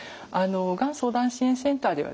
がん相談支援センターではですね